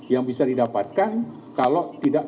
yang bisa didapatkan kalau tidak